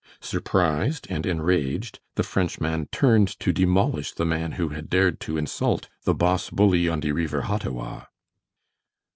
Surprised and enraged, the Frenchman turned to demolish the man who had dared to insult the "boss bully on de reever Hottawa."